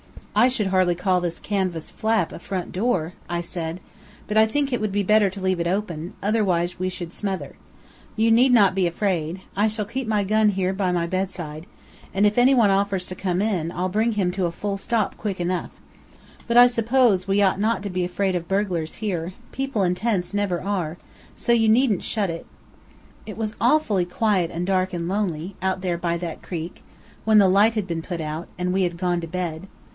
"I should hardly call this canvas flap a front door," I said, "but I think it would be better to leave it open; otherwise we should smother. You need not be afraid. I shall keep my gun here by my bedside, and if any one offers to come in, I'll bring him to a full stop quick enough." "Yes, if you are awake. But I suppose we ought not to be afraid of burglars here. People in tents never are. So you needn't shut it." It was awfully quiet and dark and lonely, out there by that creek, when the light had been put out, and we had gone to bed.